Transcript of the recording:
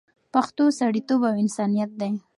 پښتو سړیتوب او انسانیت دی